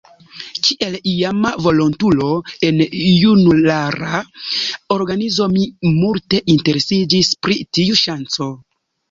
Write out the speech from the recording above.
Kiel iama volontulo en junulara organizo, mi multe interesiĝis pri tiu ŝanco.